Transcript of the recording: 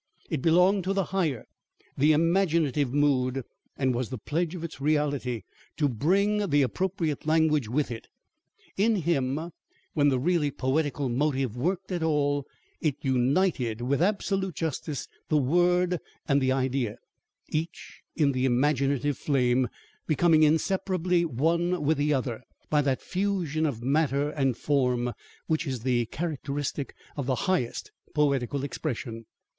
It belonged to the higher, the imaginative mood, and was the pledge of its reality, to bring the appropriate language with it. In him, when the really poetical motive worked at all, it united, with absolute justice, the word and the idea; each, in the imaginative flame, becoming inseparably one with the other, by that fusion of matter and form, which is the characteristic of the highest poetical expression.